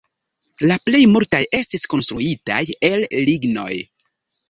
La plej multaj estis konstruitaj el lignoj.